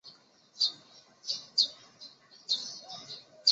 此出入口只设北行出口与南行入口。